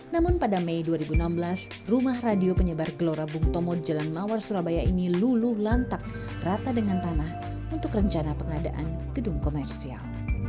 namun pada mei dua ribu enam belas rumah radio penyebar gelora bung tomo di jalan mawar surabaya ini luluh lantak rata dengan tanah untuk rencana pengadaan gedung komersial